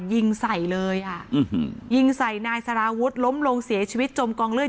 ยิงใส่เลยอ่ะยิงใส่นายสารวุฒิล้มลงเสียชีวิตจมกองเลือด